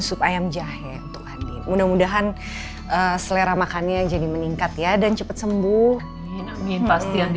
sup ayam jahe untuk adit mudah mudahan selera makannya jadi meningkat ya dan cepet sembuh pasti